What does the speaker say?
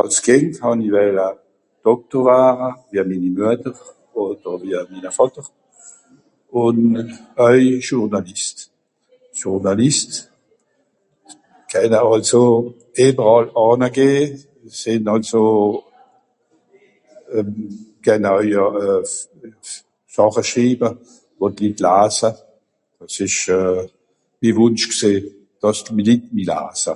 Àls Kìnd hàn-i wella Doktor wara, wia minni Müetter, ùn au wia minner Vàtter. Ùn oei Journaliste. Journaliste, kenna àlso ìberàll àna gehn, sìnn àlso...euh... kenna oei euh... Sàche Schribe, wo d'Litt lasa. Ùn s'ìsch euh... mi Wùnsch gsìì. Dàs d'Litt mi lasa.